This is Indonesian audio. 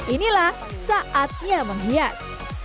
inilah saatnya menghias